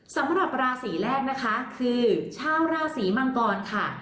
สำหรับราศีแรกนะคะคือชาวราศรีมังกรค่ะ